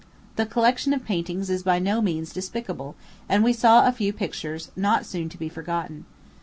The collection of paintings is by no means despicable, and we saw a few pictures not soon to be forgotten.